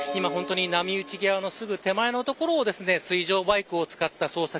波打ち際のすぐ手前の所水上バイクを使った捜索